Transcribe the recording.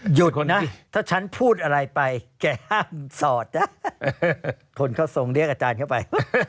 หยุดนะถ้าฉันพูดอะไรไปแกห้ามสอดนะคนเขาทรงเรียกอาจารย์เข้าไป